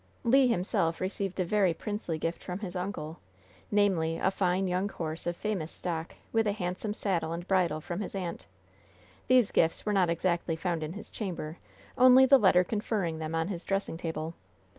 Le himself received a very princely gift from his uncle, namely, a fine, young horse of famous stock, with a handsome saddle and bridle, from his aunt. These gifts were not exactly found in his chamber, only the letter conferring them on his dressing table.